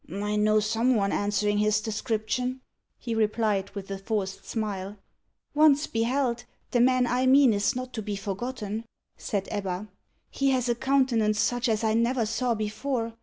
"I know some one answering his description," he replied, with a forced smile. "Once beheld, the man I mean is not to be forgotten," said Ebba. "He has a countenance such as I never saw before.